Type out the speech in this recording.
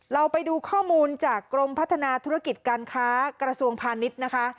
เราไปดูข้อมูลจากกรมพัฒนาธุรกิจการค้ากระทรวงพาณิชย์นะคะ